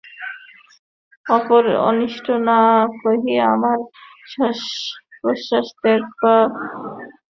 অপরের অনিষ্ট না করিয়া আমরা শ্বাসপ্রশ্বাসত্যাগ বা জীবনধারণ করিতে পারি না।